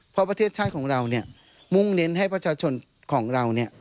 เพราะประเทศชาติของเราเนี่ยมุ่งเน้นให้ประชาชนของเรา